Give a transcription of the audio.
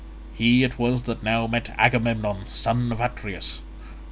He it was that now met Agamemnon son of Atreus.